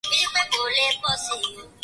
wengi hapa wapinga jimbo hili wanasema kwamba